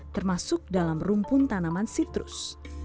termasuk dalam rumpun tanaman sitrus